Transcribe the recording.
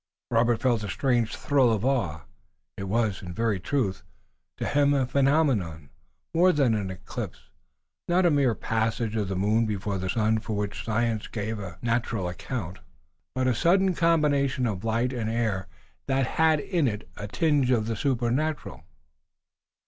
Robert felt a strange thrill of awe. It was, in very truth, to him a phenomenon, more than an eclipse, not a mere passage of the moon before the sun for which science gave a natural account, but a sudden combination of light and air that had in it a tinge of the supernatural.